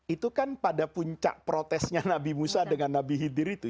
itu kan pada puncak protesnya nabi musa dengan nabi hiddir itu